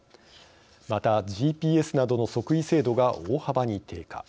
また、ＧＰＳなどの測位精度が大幅に低下。